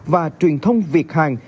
và truyền thông việt hàng